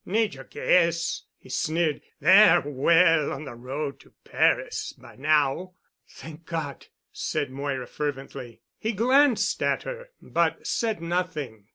"Need you guess?" he sneered. "They're well on the road to Paris by now." "Thank God," said Moira fervently. He glanced at her but said nothing.